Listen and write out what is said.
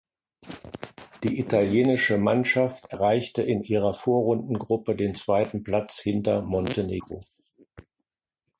Die italienische Mannschaft erreichte in ihrer Vorrundengruppe den zweiten Platz hinter Montenegro.